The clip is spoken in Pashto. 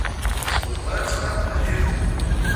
د سپوږمۍ څخه حریر